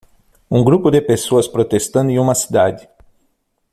Um grupo de pessoas protestando em uma cidade.